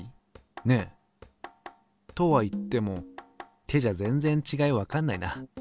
ねっ？とは言っても手じゃ全然ちがいわかんないな。